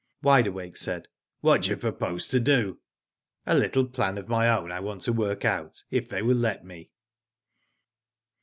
Wide Awake said :^* What do you propose to do?" "A little plan of my own I want to work out, if they will let me."